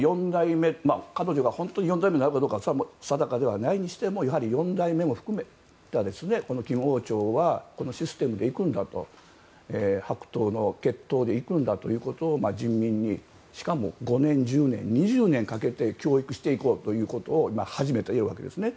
彼女が４代目になるかどうかは定かではないにしても４代目を含め金王朝はこのシステムでいくんだと血統で行くんだということを人民にしかも５年１０年２０年かけて教育していくことを初めて言うわけですね。